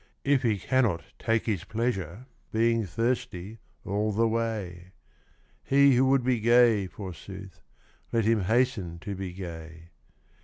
If he cannot take his pleasure, Being thirsty all the way ? He who would be gay, forsooth, Let him hasten to be gay.